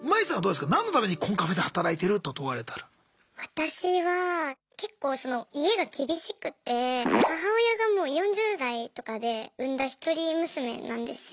私は結構その家が厳しくて母親がもう４０代とかで産んだ一人娘なんですよ。